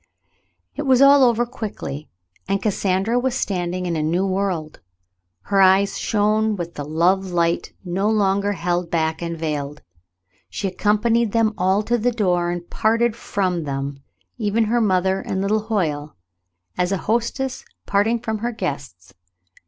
It was all over quickly, and Cassandra was standing in a new world. Her eyes shone w^ith the love light no longer held back and veiled. She accompanied them all to the door and parted from them, even her mother and little Hoyle, as a hostess parting from her guests.